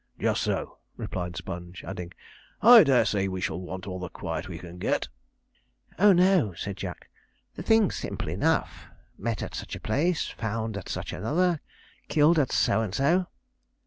'Just so,' replied Sponge, adding, 'I dare say we shall want all the quiet we can get.' 'Oh no!' said Jack; 'the thing's simple enough met at such a place found at such another killed at so and so.'